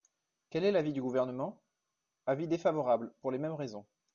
Quel est l’avis du Gouvernement ? Avis défavorable, pour les mêmes raisons.